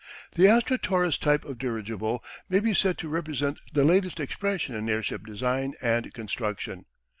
The Astra Torres type of dirigible may be said to represent the latest expression in airship design and construction.